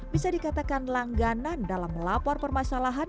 bisa dikatakan langganan dalam melapor permasalahan